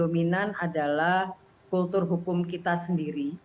dominan adalah kultur hukum kita sendiri